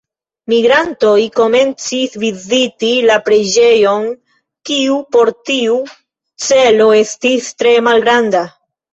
Migrantoj komencis viziti la preĝejon, kiu por tiu celo estis tre malgranda.